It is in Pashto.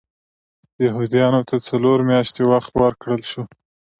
یهودیانو ته څلور میاشتې وخت ورکړل شو.